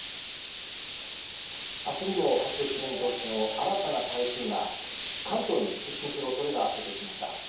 明日にも発生する見通しの新たな台風が関東に接近する恐れが出てきました。